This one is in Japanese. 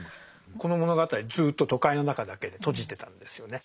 この物語ずっと都会の中だけで閉じてたんですよね。